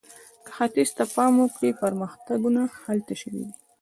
که ختیځ ته پام وکړو، پرمختګونه هلته شوي دي.